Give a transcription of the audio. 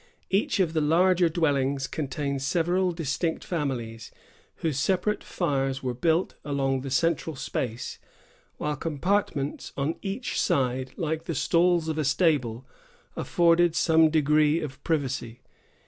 Each of the larger dwellings contained several distinct families, whose separate fires were built along the central space, while compartments on each side, like the stalls of a stable, afforded some degree of privacy.